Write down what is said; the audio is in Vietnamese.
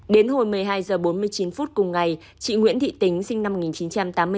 đến hồi một mươi hai h bốn mươi chín phút cùng ngày chị nguyễn thị tính sinh năm một nghìn chín trăm tám mươi bốn